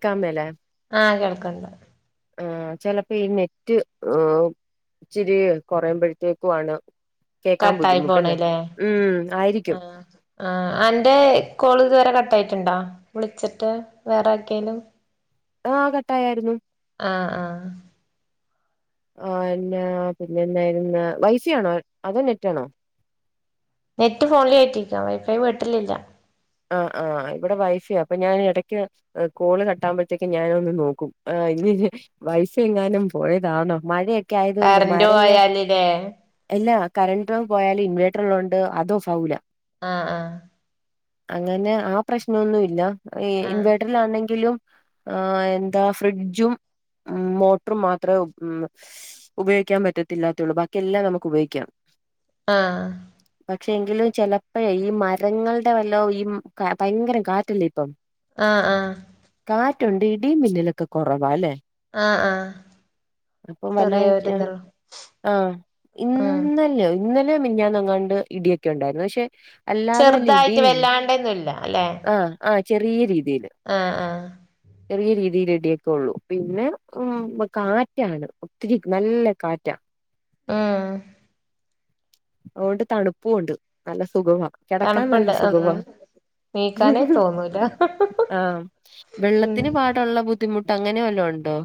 ക്കമേല കണ്ട ആ ചെല് പ്പ ഈ നെറ്റ് ഇച്ചിരി കുറയുമ്പോഴത്തേക്കു ആണ് കേക്കാൻ കട്ടായി ബുദ്ധിമുട്ടല്ലേ പോണില്ലേ ഉം ആയിരിക്കും ആ അന്റെ കോള് ഇതുവരെ കട്ട് ആയിട്ടുണ്ടാ വിളിച്ചിട്ട് വേറാര്ക്കേലും ആഹ് കട്ടായേര്ന്നു ആഹ് ആഹ് ആഎന്നാ പിന്നെന്നായിരുന്ന്‌ വൈഫി ആണോ അതോ നെറ്റാണോ നെറ്റ് ഫോണില് കേറ്റിക്കാ വൈഫൈ വീട്ടില്ലില്ല ആഹ് ആഹ് ഇവടെ വൈഫൈ അപ്പൊ ഞാൻ ഇടക്ക് കോള് കട്ടാപോഴത്തേക്ക് ഞാന് ഒന്ന് നോക്കും ആ ഹ് ഹ് ഇനി വൈഫൈ എങ്ങാനും പോയതാണോ മഴയെ കറന്റ് പോയാല് ല്ലേ കരണ്ടും പോയാല് ഇൻവേർട്ടർ ഉള്ളോണ്ട് അത് ഓഫാവൂല്ല ആഹ് ആഹ് അങ്ങനെ ആ പ്രശ്നൊന്നുല്ല ആഹ് ഇൻവേർട്ടറിലാണെങ്കിലും ആ എന്താ ഫ്രിഡ്ജും ഉം മോട്ടറും മാത്രമേ ഉ ഉപയോഗിക്കാൻ പറ്റത്തില്ലാത്തുള്ളൂ ബാക്കിയ എല്ലാം നമുക്ക് ഉപയോഗിക്കാം ആഹ് പക്ഷെങ്കിലും ചെലെപ്പെ ഈ മരങ്ങൾ ങ്ങടെ വല്ലോ ഈമ് ഭയങ്കരം കാറ്റല്ലേ ഇപ്പം ആഹ് ആഹ് റ്റുണ്ട് ഇടി മിന്നലൊക്കെ കുറവാല്ലേ ആഹ് ആഹ് അപ്പൊ വല്ല ചെറിയൊരിതുള്ളൂ ഞാആ ഉം ഇന്നല്ലോ ഇന്നലെയോ മിനഞ്ഞാന്നെങ്ങാണ്ട് ഇടിയൊക്കെ ഇണ്ടായിരുന്നു പക്ഷെ അല്ലാതെ വല്ല്യ വല്ലാണ്ടെന്നൂല്ല അല്ലെ ആഹ് ചെറിയ രീതിയില് ആഹ്ആഹ് ചെറിയ രീതിൽ ഇടിയൊക്കെയുള്ളൂ പിന്നെ ഉം കാറ്റാണ് ഒത്തിരി നല്ല കാറ്റാ മ് അതുകൊണ്ട് തണുപ്പും ഉണ്ട് നല്ല സുഖവാ കിടക്കാൻ നല്ല തണുപ്പുണ്ട് ഉം സുഖവാ നീക്കാനേ മ് തോന്നൂല ആ ഉം വെള്ളത്തിന് പാടൊള്ള ബുദ്ധിമുട്ട് അങ്ങനെ വല്ലോ ഉണ്ടോ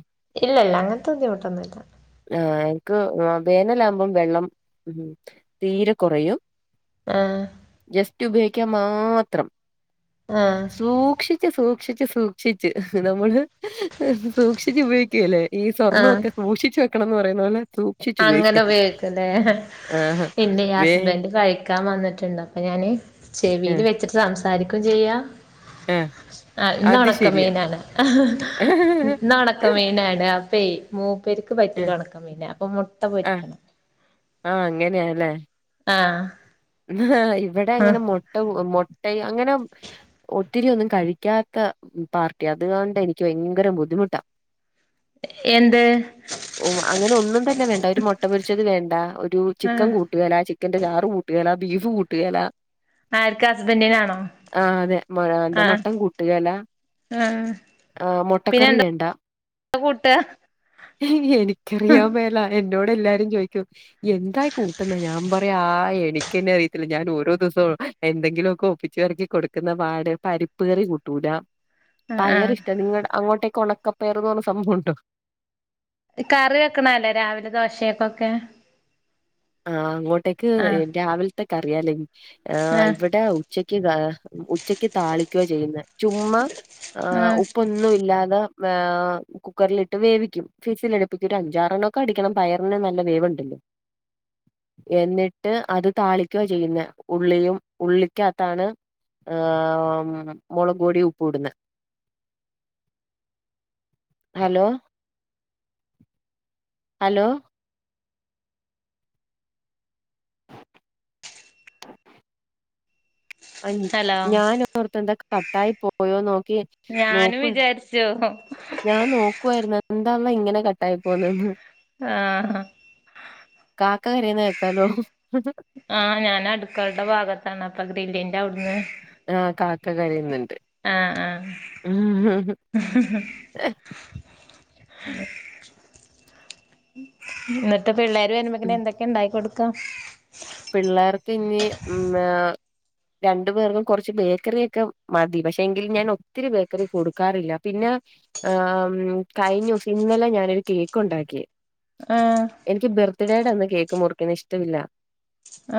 ഇല്ല ഇല്ല അങ്ങനത്തെ ബുദ്ധിമുട്ടൊന്നും ഇല്ല ആ എനിക്ക് വേനലാകുമ്പോ വെള്ളം ഉം തീരെ കുറയും ആഹ് റ്റു ഉപയോഗിക്കാൻ മാത്രം ആഹ് സൂക്ഷിച്ച് സൂക്ഷ സൂക്ഷിച്ച് സൂക്ഷിച്ച് നമ്മള് സൂക്ഷിച്ച് ഉപയോഗിക്കേലേ ഈ ആഹ് സ്വർണ്ണോക്കെ സൂക്ഷിച്ച് ക്കണംന്ന് പറയുന്നപോലെ അങ്ങനെ ഉപയോഗിക്കല്ലേ ആഹ് എന്റെ വേ ഹസ്ബൻഡ് കഴിക്കാൻ വന്നിട്ടുണ്ട് അപ്പൊ ഞാന് ചെവില് ആഹ് വെച്ചിട്ട് സം സംസാരിക്കും ചെയ്യാം ആഹ് ആ അത് ശരിയാ ഇന്നൊണക്കമീനാണ് ആഹ് ഇന്നൊണക്കമീനാണ് അപ് പേ മൂ പേർക്ക് പറ്റൂല ഉണക്കമീന ഇപ്പൊ മുട്ട പൊരിക്കണം ആ അങ്ങനെയാ ല്ലേ ആഹ് ആ ഇവിടെ ആഹ് അങ്ങനെ മൊട്ട മു ട്ട അങ്ങനെ ഒത്തിരി ഒന്നും കഴിക്കാത്ത പാർട്ടി അതുകൊണ്ട് എനിക്ക് ഭയങ്കരം ബുദ്ധിമുട്ടാ എന്ത് അങ്ങനെ ഒന്നും തന്നെ വേണ്ട ഒരു മുട്ട പൊരിച്ചത് വേണ്ട ഒരു ആഹ് ചിക്കൻ കൂട്ടുകല ചിക്കൻന്റെ ചാറ് കൂ ല്ല ബീഫ് കൂട്ടുകേല ആർക്ക് ഹസ്ബൻഡിനാണോ ആ അതെ മ എന്താ ആഹ് മട്ടൻ കൂട്ടുകേല ആഹ് ആ പിന്നെ മുട്ടക്കറി എന്താ വേണ്ട കൂട്ടാ [inaudible] നികറിയാമേല എൻ എന്റോട് എല്ലാരും ചോദിക്കും എന്തായി കൂട്ടുന്ന ഞാൻ പറയു ആ എനി എനിക്കെന്നെ അറിയത്തില്ല ഞാൻ ഓരോ ദിവസവും എന്തെങ്കിലുഒക്കെ ഒപ്പിച്ച് പെറക്കി കൊടുക്കുന്ന പാട്. പരിപ്പ് കറി കൂട്ടൂല ആഹ് പയർ ആഹ് ഇഷ്ട നിങ്ങ അങ്ങോട്ടെ കൊണക്കപ്പേറുന്ന്പറഞ്ഞ സംഭവം ഉണ്ടോ കറി വെക്കണ അല്ലേ രാവിലെ ദോശയൊക്കൊക്കെ ആ അങ്ങോട് തെക്ക് രാവില് ത്തെ ക്കറിയാല്ലെ ആ ആഹ് ഇവടെ ഉച്ചക്ക് ഏ ഉ ച്ചക്ക് താളിക്യാ ചെയ്യുന്നെ ചുമ്മാ ഏ ആഹ് ഉപ്പൊന്നുല്ലാതെ ഏ കുക്കറിലിട്ട് വേവിക്കും ഫിസിലടിപ്പിക്ക് ഒരു അഞ്ചാറെണ്ണൊക്കെ അടിക്കണം പയറിന് നല്ല വേവ്ണ്ട് എന്നിട്ട് അത് താളിക്യാ ചെയ്യുന്നെ ഉള്ളിയും ഉള്ളിക്ക അത്താണ് ഏ ഉം മൊളക്‌പൊടിം ഉപ്പൂടുന്ന ഹലോ അലോ അയ് ഹലോ ഞാൻ ഓർത്ത് എന്ത കട്ടായി പോയോ നോക്യേ ഞാനും നോക്കുവായി വിചാരിച്ചു ഞാൻ നോക്കുവായിരുന്നന്തെ ആന്നാ ഇങ്ങനെ കട്ടായി പോന്നന്ന് ആ കാക്ക കരയുന്നേ കേക്കാലോ ആ ഞാനട്ക്കള്ടെ ഭാഗത്താണ് അപ്പൊ ഗ്രില്ലി ആ കാക്ക കരയ്ന്ന്ണ്ട് ആഹ് ആഹ് ഉം [inaudible] ഇന്നത്തെ പിള്ളേര് വരുമ്പക്ക്ന് എന്തെക്കെ ഇണ്ടാക്കി കൊട് ക്ക പിള്ളേർക്ക് ഞ്ഞ് ഉം അ് രണ്ടു പേർക്കും കൊർച്ച് ബേക്കറിയെക്കെ മതി പക്ഷെ എങ്കിൽ ഞാൻ ഒത്തിരി ബേക്കറി കൊടുക്കാറില്ല പിന്നെ ഏ ഉം കഴിഞ്ഞു ഇന്നലെ ഞാനൊരു കേക്കുണ്ടാക്കിയെ ആഹ് എനിക്ക് ബെർത്ത്ഡേ ടന്ന് കേക്ക് മുറിക്കണെ ഇഷ്ടമില്ല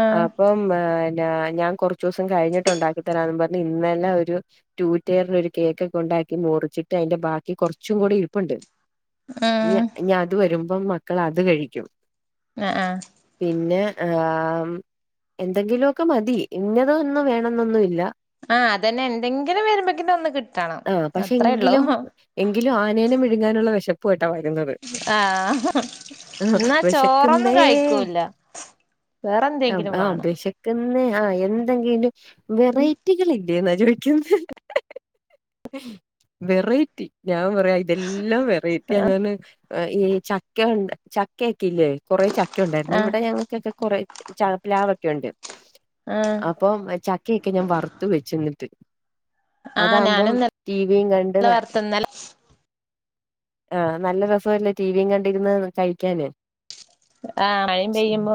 ആഹ് അപ്പം ഏ ഞാ ഞാൻ കൊർച്ചോസം കഴിഞ്ഞിട്ടുണ്ടാക്കി തരാംന്ന് പറഞ്ഞ് ഇന്നലെ ഒരു റ്റൂ റ്റയറിന് ഒരു കേക്കൊക്കു ണ്ടാക്കി മുറിച്ചിട്ട് അയിന്റെ ബാക്കി കൊർച്ചും കൂടി ഇരിപ്ണ്ട് ഞ ആഹ് ഞാ അത് വരും അപ്പം മക്കളത് കഴിക്കും ആഹ് ആഹ് പിന്നെ ആം എന്തെങ്കിലൊക്കെ മതി ഇന്നതൊന്നും വേണെന്നൊന്നുല്ല ആ അതന്നെ എന്തെങ്കിലും വരുമ്പോക്ക്ന് ഒന്ന് കിട്ടണം ആഹ് പക്ഷെ അത്രേ ള്ളൂ എങ്കിലും എങ്കിലും ആനേനെ വിഴുങ്ങാനുള്ള വെശപ്പൊ ആ എന്നാ ചോറൊന്നും വിശക്കുന്നേ കഴിക്കൂല്ല വേറെ ന്തെങ്കിലും വാണം ന്ന് ആ എന്തെങ്കിലും വെറൈറ്റികളി ല്ലേ ന്നാ ചോയ്ക്ക് ന്നെ വെറൈറ്റി ഞാൻ പറയാ ഇതെല്ലാം ആഹ് വെറൈറ്റ്യനാന്ന് ഈ ചക്ക ഉണ്ട് ചക്ക ക്കില്ലേ കുറേ ചക്ക ഉണ്ടായിരുന്നു ആഹ് ഇവിടെ ഞങ്ങൾക്കൊക്കെ കുറേ ച പ്ലാവ് ഒക്കെയുണ്ട് ആഹ് അപ്പം ചക്കയൊക്കെ ഞാൻ വറുത്തു വെച്ച്എന്നിട്ട് ആ ഞാനന്ന ടിവിയും കണ്ട് ആ നല്ല രസവല്ലേ ടിവിയും കണ്ടിരുന്ന് കഴിക്കാന് ആഹയും കഴിയ്യുമ്പോ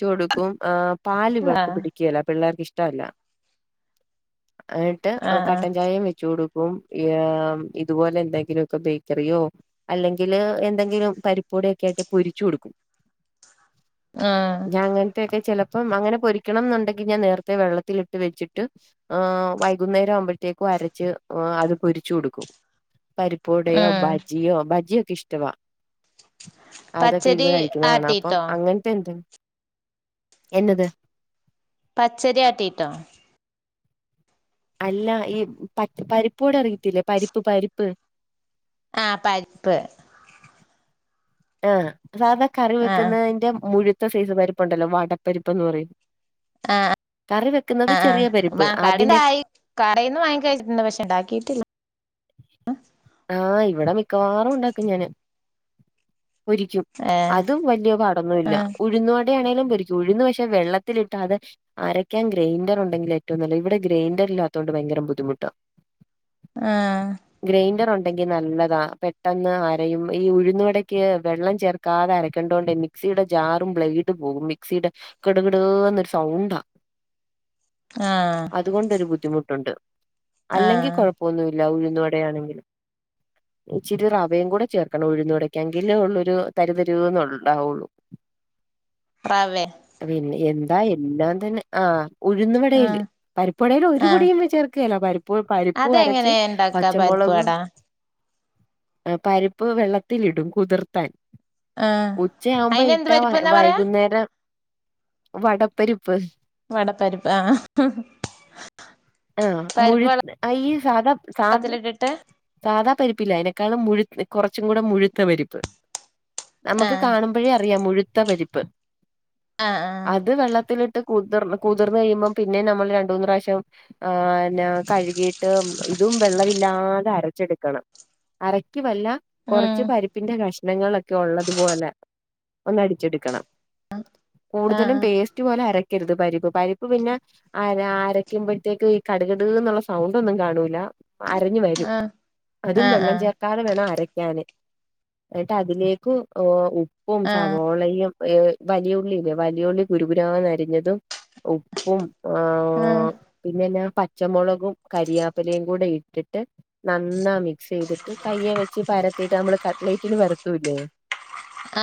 ചോടുക്കും ആ പാല് ഇവർക്ക് പിടിക്കേല്ല പിള്ളേർക്ക് ഇഷ് ഷ്ടല്ല എന്നിട്ട് ആഹ് കട്ടൻ ചായയും വെച്ചു കൊടു ഇപ്പം ഇതുപോലെ എന്തെങ്കിലുമ ഒക്കെ ബേക്കറിയോ അല്ലെങ്കില് എന്തെങ്കിലും പരിപ്പൊടിയൊക്കെയായിട്ട് പൊരിച്ചു കൊടുക്കും ഉം ഞാങ്ങൻത്തെക്ക ചെല അപ്പം അങ്ങനെ പൊരിക്കണം എന്നുണ്ടെങ്കിൽ ഞാൻ നേരത്തെ വെള്ളത്തിലിട്ട് വെച്ചിട്ട് ആ വൈകുന്നേരം ആവുമ്പോഴത്തേക്കും അരച്ച് അത് പൊരിച്ചു കൊടുക്കും പരിപ്പ് വടയോ ഉം ബാജിയോ ബാജിയ ക്കെഇഷ്ടവ അതൊക്കെ പച്ചരി ഇരുന്ന് കഴിക്കുന്നതാണ് അപ്പം ആട്ടിട്ടോ അങ്ങനത്തെ എന്ത് എന്നത് പച്ചരിയാട്ടിട്ടോ അല്ല ഈ പ പരിപ്പോടെ അറിത്തില്ലേ പരിപ്പ് പരിപ്പ് ആഹ പരിപ്പ് ആഹ സാധ ആഹ് കറിവെക്കുന്നതിന്റെ മുഴു ത്ത സൈസ് പരിപ്പുണ്ടല്ലോ വടപ്പരിപ്പ്ന്ന് പറയും ആ കറി വെക്കുന്നത് ആ ആ ചെറിയ പരിപ്പ് [unintelligible] അതിനെ കടയിൽന്ന് വാങ്ങിക്കഴിച്ചിട്ടുണ്ട് പക്ഷെ ഉണ്ടാക്കിട്ടില്ല ഇവിടമി ക്കവാറും ഉണ്ടാക്കും ഞാന് [unintelligible] പൊരിക്കും ഏഹ് അതും വലിയ പാടൊന്നുല്ല ആഹ് ഉഴുന്നവാടയാണേങ്കിലും പെരിക്കും ഉഴുന്ന് പക്ഷെ വെള്ളത്തിലിട്ട് അത് അരയ്ക്കാൻ ഗ്രൈൻഡർ ഉണ്ടെങ്കിൽ ഏറ്റവും നല്ല ഇവിടെ ഗ്രൈൻഡർ ഇല്ലാത്തത് കൊണ്ട് ഭയങ്കര ബുദ്ധിമുട്ട ആഹ് ഗ്രൈണ്ടർ ഒ ണ്ടങ്കി നല്ലതാ പെട്ടെന്ന് അരയും ഈ ഉഴുന്ന് വടണ്ട ക്ക് വെള്ളം ചേർക്കാതെ അരക്കേണ്ടോണ്ട് മിക്സിയുടെ ജാറും ബ്ലെയഡ് പോകും മിക്സിയുടെ കിട് കിട്ന്നരു സൗണ്ടാ ആഹ് അതുകൊണ്ടൊരു ബുദ്ധിമുട്ടുണ്ട് അല്ലെങ്കി ആഹ് കൊഴപ്പൊന്നു [unintelligible] ഉഴുന്ന് വടയാണെങ്കിലും ഇച്ചിരി റവയും കൂടെ ചേർക്കണം ഉഴുന്ന് വട എങ്കിലും ഉള്ളരു തരുതരിവന്ന് ഉണ്ടാവുള്ളൂ റവേ പിന്നെ എന്ത്‌ താ എല്ലാം തന്നെ ആഹ് ഉഴുന്നവടയില് ആഹ് പരിപ്പ് വടയിൽ ഒരു ആഹ് പൊടിയും ചേർക്ക [unintelligible] പരി ഇപ്പൊ പരിപ്പും അരച്ച് അതെങ്ങനെ ഉണ്ടാക്കാ പരിപ്പ് പച്ചമൊളകും വട ആ പരിപ്പ് വെള്ള ത്തിലിടും കുതിർത്താൻ ആഹ് ഉച്ചയാവുമ്പോ അയിനെന്ത് ഇട്ടാ വ പരിപ്പ്ന്നാ പറയാ വൈകുന്നേരം വടപ്പരിപ്പ - വടപ്പരിപ്പ് ആഹ് ആ പരിപ്പ് വള മുഴുത് ഈ സാധാ സാ അതിലിട്ടിട്ട് സാധാ പരിപ് ല്ല അതിനെക്കാൾ മുഴത്ത് കുറച്ചും കൂടി- മുഴുത്ത പരിപ്പ് നമുക്ക് ആഹ് കാണുമ്പോഴേ അറിയാം മുഴു- ഇതാ പരിപ്പ് ആഹ് ആഹ് അത് വെള്ളത്തിലിട്ട്- കുതിർ കുതിർന്ന് കഴിയുമ്പോം പിന്നെ നമ്മള് രണ്ട് മൂന്ന് പ്രാവശ്യം പിന്ന കഴുകിയിട്ട് ഇതും വെള്ളമില്ലാതെ അരച്ചെടുക്കണം അരയ്ക്കു വല്ല- ഉം കുറച്ച് പരിപ്പിന്റെ കഷ് - ഇനങ്ങളൊക്കെ ഉള്ളതുപലെ ഒന്ന് അടിച്ചെടുക്കണം കൂടുതലും ആഹ് പേസ്റ്റ് പോലെ അരക്ക- രുത് പരിപ്പ് പരിപ്പ് പിന്നെ ആ അരക്കുമ്പഴത്തേക്ക് ഈ കടുകട എന്നുള്ള സൗണ്ട് ഒന്നും കാണൂല അരഞ്ഞു വരും ആഹ് അതും ആഹ് വെള്ളം ആഹ് ചേർക്കാതെ വേണം അരക്ക- എന്നിട്ട് അതിലേക്ക് ഉപ്പ - പും ആഹ് സവോളയും ഏ വലിയയുള്ളില്ലേ വലിയുള്ളി കുരുകുരാന്ന് അരിഞ്ഞതും - ഉപ്പും ആ ആഹ് പിന്നെ എന്നാ പച്ചമുളകും കരിയാപ്പിലയും കൂടെ ഇട്ടിട്ട് നന്നായി മിക്സ് ചെയ്തിട്ട് കയ്യേ വ ച്ചിട്ട് നമ്മള് കട്ട്ലൈറ്റിന് പരത്തൂല്ലേ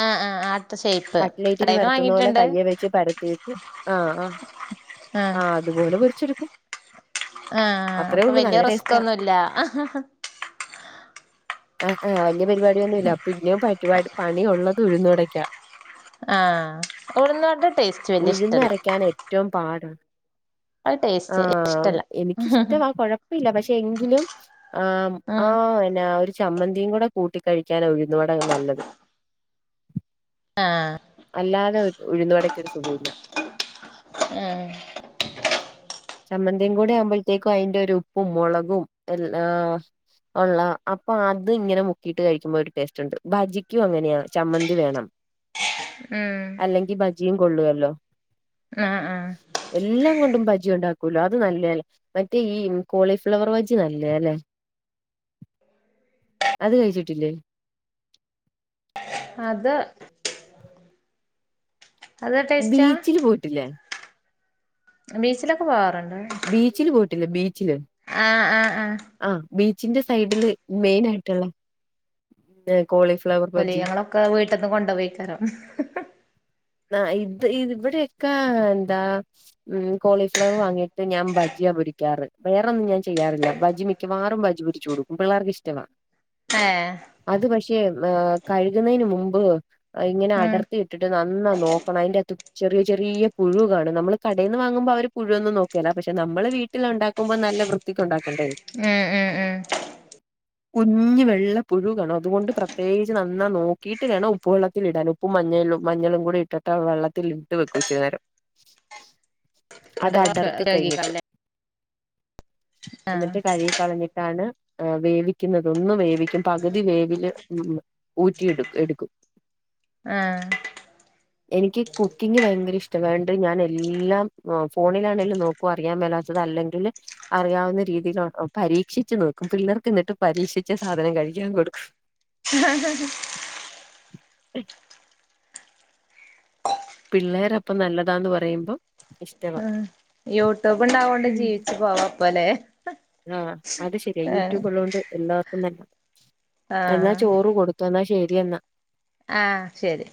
ആഹ് ആഹ് ആട്ട ഷേപ്പ് കട്ട്ലൈറ്റിന് കടേന്ന് പരത്തുന്ന പോലെ വാങ്ങിയിട്ടുണ്ട് കയ്യെ വെച്ച് പരത്തിയിട്ട് ആഹ് ആഹ് ആഹ് അതുപോലെ പൊരിച്ചെടുക്കും ആഹ് അത്രേ അപ്പൊ ഉള്ളൂ വലിയ നല്ല ടേസ്റ്റാ റിസ്ക്കൊന്നുല്ല ഹഹ എ എ വലി യ പരിപാടിയൊന്നുല്ല പിന്നെ പറ്റുപാട് പണി ഉള്ളത് ഉഴുന്നടയ്ക്കാ ആഹ ഉഴുന്നോടെ ടേസ്റ്റ് വല് ഇഷ്ടല്ല അത് ടേസ്റ്റ് ആഹ ഇഷ്ടല്ല എനിക്കിഷ്ടം ആ കുഴപ്പമില്ല പക്ഷെ എങ്കിലും ആ ഉം ആന്നെ ഒരു ചമ്മന്തിയും കൂടെ കൂട്ടി കഴിക്കാന ഒഴുന്ന അട നല്ലത് ആഹ അല്ലാതെ ഉഴുന്നുവടക്കൊരു സുഖില്ല ചമ്മന്തിയും കൂടെ ആവുമ്പോഴത്തേക്കും അതിറെ ഒരു ഉപ്പും മുളകും എല്ലാ ഉള്ള അപ്പൊ അത് ഇങ്ങനെ മുക്കിട്ട് കഴിക്കുമ്പോ ഒരു പേസ്റ്റ് ഉണ്ട് ഭജിക്കും അങ്ങനെയാ ചമ്മന്തി വേണം അല്ലെങ്കി മജിയും കൊള്ളുവല്ലോ ആ ആ എല്ലാം കൊണ്ടും ബജി ഉണ്ടാക്കല്ലോ അത് നല്ലല്ലേ മറ്റേ ഈ കോളിഫ്ലവർ വെച്ച് നല്ലല്ലേ അത് കഴിച്ചിട്ടില്ലേ അത് അത് ടേസ്റ്റാ ബീച്ചില് പോയിട്ടില്ലേ ബീച്ചിലൊക്കെ പോവാറുണ്ട് ബീച്ചില് പോയിട്ടില്ല ബീച്ചില് ആഹ് ആഹ് ആഹ് ആ ബീച്ചിന്റെ സൈഡില് മെയിനായിട്ടുള്ള കോളിഫ്ലവർ ബജി പെട്ടന്ന് കൊണ്ടപോയിക്കാരോ ആ ഇത് ഇ ഇവിടെൊക്കെ എന്താ കോളിഫ്ലവർ വാങ്ങിട്ട് ഞാൻ ബജിയാ പൊരിക്കാറ് വേറെൊന്നും ഞാൻ ചെയ്യാറില്ല ബജി മിക്കവാറും ബജി പൊരിച്ചു കൊടുക്കും പിള്ളേർക്ക് ഇഷ്ടവാ ആ ക്ഷേ കഴുകുന്നതിന് മുമ്പ് ഇങ്ങനെ ഉം അടർത്തിയിട്ടിട്ട് [unintelligible] ന്നാ നോക്കണം അതിന്റകത്തു അ ചെറിയ ചെറിയ പുഴു കാണണം നമ്മൾ കടയിൽന്ന് വാങ്ങുമ്പോ അവ പുഴുവൊന്നും നോക്കല്ല പക്ഷെ നമ്മള് വീട്ടിൽ ഉണ്ടാക്കുമ്പോ നല്ല വൃത്തിക്ക് ഉണ്ടാക്കണ്ടേ ഉം ഉം ഉം കുഞ്ഞ് വെള്ള പുഴു കാണും അതുകൊണ്ട് പ്രത്യേകിച്ച് നന്നാ നോക്കിട്ട് വേണം ഉപ്പ് വെള്ളത്തിൽ ഇടാൻ ഉപ്പും മഞ്ഞും മഞ്ഞളും കൂടി ഇട്ടിട്ട് വെള്ളത്തിൽ ഇട്ട് വെക്കും ഇച്ചിരി നേേരം അത് ന്നട്ട് കൊക്കെ അടർത്തി കഴിഞ്ഞിട്ട് കഴുകിക്കാവുല്ലേ ആഹ് എന്നിട്ട് കഴുകി കളഞ്ഞിട്ടാണ് ആ വേവിക്കുന്നുന്നത് ഒന്ന് വേവിക്കും പകുതി വേവില് ഉം ഊറ്റിടു എടുക്കും ആ എനിക്ക് കുക്കിംഗ് ഭയങ്കര ഇഷ്ടം വേണ്ട ഞാൻ എല്ലാം ഫോണിലാണെല്ലാം നോക്കും അറിയാൻ മേലാത്തത് അല്ലെങ്കിൽ അറിയാവുന്ന രീതിയില് പരീക്ഷിച്ചു നോക്കും പിള്ളേർക്ക് എന്നിട്ട് പരീക്ഷിച്ച സാധനം കഴിക്കാൻ കൊടുക്കും. പിള്ളേരപ്പം നല്ലതാന്ന് പറയുമ്പം ഇഷ്ടവാ യൂട്യൂബ് ഉണ്ടാവോണ്ട് ജീവിച്ചു പോവാപ്പോലെ ആ അത് ശരിയ യൂട്യൂബ് ഉള്ളതുകൊണ്ട് എല്ലാ ഒന്നല്ല എന്നാ ചോറ് കൊടുത്തോ എന്നാ ശരി എന്ന ആ ശരി